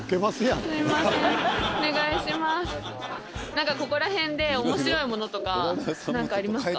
何かここら辺で面白いものとか何かありますか？